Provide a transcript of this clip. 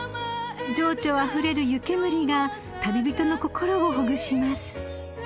［情緒あふれる湯煙が旅人の心をほぐします］